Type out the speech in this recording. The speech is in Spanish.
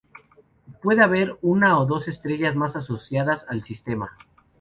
Puede haber una o dos estrellas más asociadas al sistema.